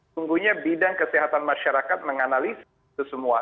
sungguhnya bidang kesehatan masyarakat menganalisis itu semua